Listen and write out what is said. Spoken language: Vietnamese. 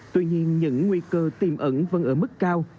tuy nhiên những nguy cơ tiềm ẩn vẫn ở mức cao